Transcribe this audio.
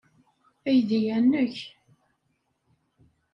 Aydi-a nnek.